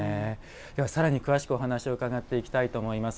さらに詳しくお話を伺っていきたいと思います。